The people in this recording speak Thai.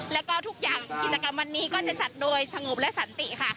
แล้วก็ทุกอย่างกิจกรรมวันนี้ก็จะจัดโดยสงบและสันติค่ะ